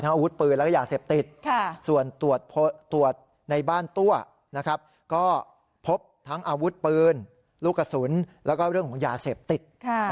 ทั้งอาวุธปืนและยาเสพติดส่วนตรวจในบ้านตั้วก็พบทั้งอาวุธปืนลูกกระสุนแล้วก็เรื่องยาเสพติด